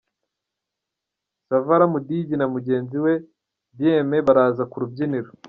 Savara Mudigi na mugenzi we Bien-Aimé Baraza ku rubyiniro.